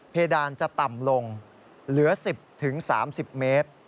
เพดานจะต่ำลงเหลือ๑๐๓๐เมตร